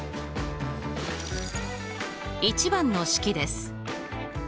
１番の式です。